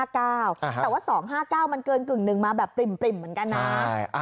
แต่ว่า๒๕๙มันเกินกึ่งหนึ่งมาแบบปริ่มเหมือนกันนะ